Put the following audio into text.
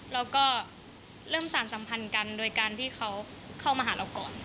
เราก็เริ่มสารสัมพันธ์กันโดยการที่เขาเข้ามาหาเราก่อน